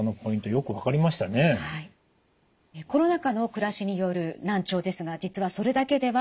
コロナ禍の暮らしによる難聴ですが実はそれだけではありません。